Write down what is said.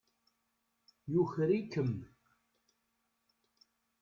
Yuker-ikem.